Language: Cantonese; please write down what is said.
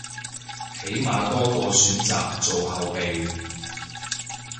起碼多個選擇當後備